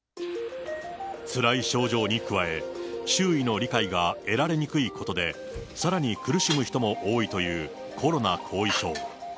つらい症状に加え、周囲の理解が得られにくいことで、さらに苦しむ人も多いというコロナ後遺症。